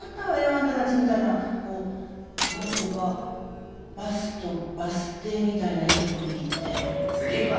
あなたたちみたいなこう何て言うかバスとバス停みたいないいコンビって。